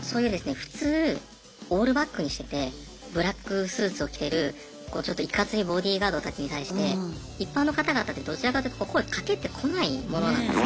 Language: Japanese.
普通オールバックにしててブラックスーツを着てるちょっといかついボディーガードたちに対して一般の方々ってどちらかというと声かけてこないものなんですね。